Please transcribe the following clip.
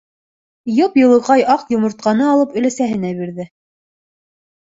Йып-йылыҡай аҡ йомортҡаны алып өләсәһенә бирҙе.